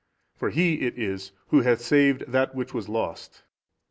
For He it is Who hath saved that which was lost.